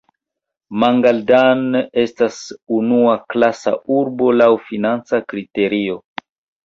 Mangaldan estas unuaklasa urbo laŭ financa kriterio.